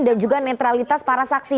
dan juga netralitas para saksi